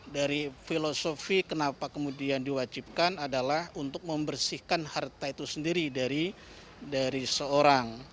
dari filosofi kenapa kemudian diwajibkan adalah untuk membersihkan harta itu sendiri dari seorang